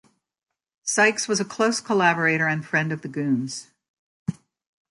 Sykes was a close collaborator and friend of the Goons.